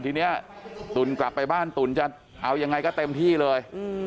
ทีนี้ตุ๋นกลับไปบ้านตุ๋นจะเอายังไงก็เต็มที่เลย